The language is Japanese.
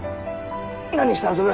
何して遊ぶ？